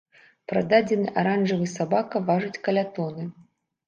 Прададзены аранжавы сабака важыць каля тоны.